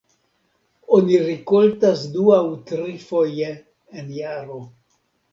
Oni rikoltas du aŭ trifoje en jaro.